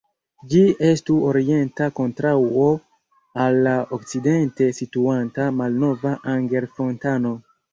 Ĝi estu orienta kontraŭo al la okcidente situanta Malnova Anger-fontano.